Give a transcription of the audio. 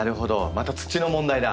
また土の問題だ。